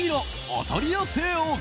お取り寄せＯＫ